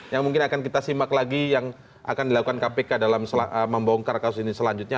yang mungkin akan kita simak lagi yang akan dilakukan kpk dalam membongkar kasus ini selanjutnya